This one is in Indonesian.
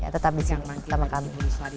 tetap disini sama kami